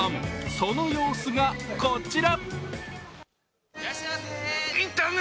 その様子がこちら。